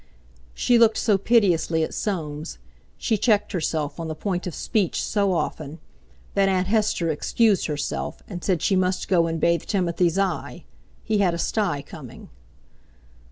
She looked so piteously at Soames, she checked herself on the point of speech so often, that Aunt Hester excused herself and said she must go and bathe Timothy's eye—he had a sty coming.